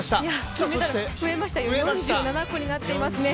金メダル増えましたね、４７個になっていますよ。